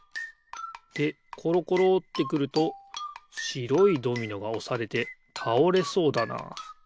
でころころってくるとしろいドミノがおされてたおれそうだなあ。